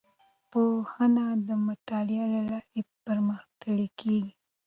پوهنه د مطالعې له لارې پرمختللې کیږي.